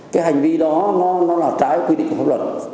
cái hành vi đó nó là trái quy định của pháp luật